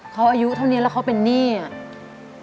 เขาอายุเท่านี้แล้วเขาเป็นหนี้อ่ะ